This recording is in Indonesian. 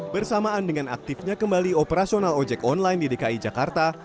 bersamaan dengan aktifnya kembali operasional ojek online di dki jakarta